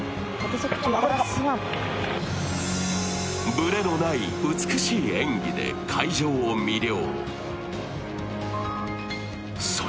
ブレのない美しい演技で会場を魅了。